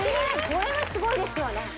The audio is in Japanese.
これはすごいですよね